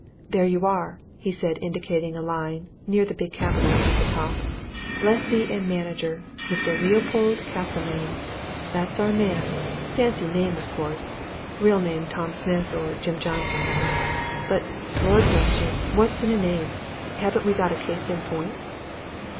"There you are!" he said, indicating a line near the big capitals at the top. "'Lessee and Manager Mr. Leopold Castlemayne.' That's our man. Fancy name, of course real name Tom Smith, or Jim Johnson, you know. But, Lord bless you, what's in a name? Haven't we got a case in point?"